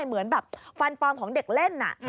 เหมือนแบบฟันปลอมของเด็กเล่น